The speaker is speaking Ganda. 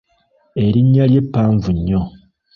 Erinnya lye ppanvu nnyo.